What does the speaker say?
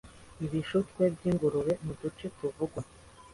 y ibishyute by ingurube mu duce tuvugwa